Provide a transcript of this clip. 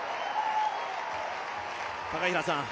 高平さん